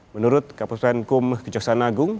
menurut kapus penggum kejaksaan agung